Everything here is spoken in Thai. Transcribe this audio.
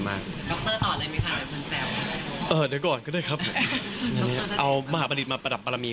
เอ๊ะเดี๋ยวก่อนก็ได้ครับ